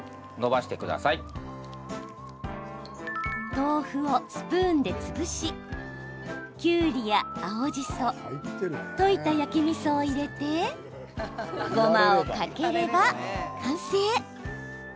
豆腐をスプーンで潰しきゅうりや青じそ溶いた焼きみそを入れてごまをかければ完成。